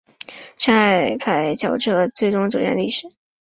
上海牌轿车最终走向历史。